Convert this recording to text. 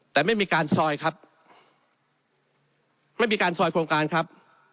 แต่ไม่มีการซอยครับไม่มีการซอยโครงการครับ